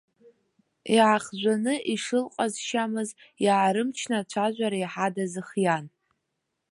Иаахжәаны, ишылҟазшьамыз, иаарымчны ацәажәара иаҳа дазхиан.